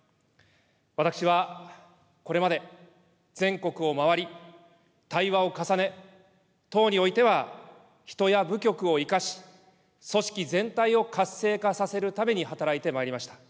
私はこれまで全国を回り、対話を重ね、党においては人や部局を生かし、組織全体を活性化させるために働いてまいりました。